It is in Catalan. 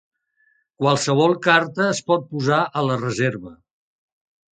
Qualsevol carta es pot posar a la reserva.